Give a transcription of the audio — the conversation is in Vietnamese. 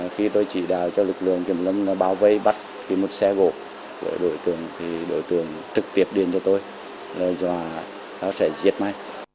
khi tôi chỉ đào cho lực lượng kiểm lâm bảo vệ bắt khi một xe gột của đối tượng thì đối tượng trực tiếp điện cho tôi là do họ sẽ giết mấy